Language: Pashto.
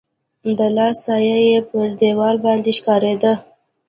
د لاس سایه يې پر دیوال باندي ښکارېده.